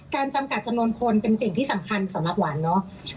จำกัดจำนวนคนเป็นสิ่งที่สำคัญสำหรับหวานเนอะ